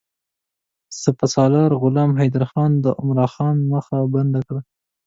سپه سالار غلام حیدرخان د عمرا خان مخه بنده کړه.